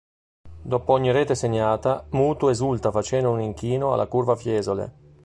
Dopo ogni rete segnata, Mutu esulta facendo un inchino alla curva Fiesole.